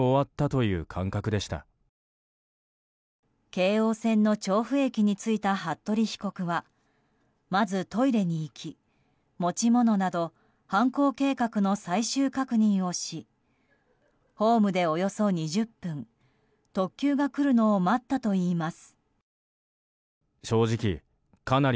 京王線の調布駅に着いた服部被告はまずトイレに行き、持ち物など犯行計画の最終確認をしホームで、およそ２０分特急が来るのを待ったといいます。